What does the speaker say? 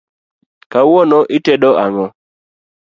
Kawuono itedo ang’o?